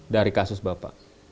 dari kasus bapak